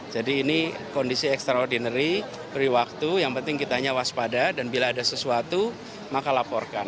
jadi ini kondisi ekstraordinari beri waktu yang penting kita hanya waspada dan bila ada sesuatu maka laporkan